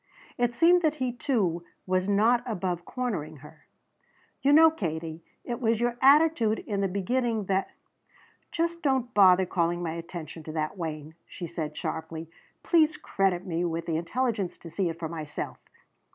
It seemed that he, too, was not above cornering her. "You know, Katie, it was your attitude in the beginning that " "Just don't bother calling my attention to that, Wayne," she said sharply. "Please credit me with the intelligence to see it for myself."